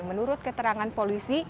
menurut keterangan polisi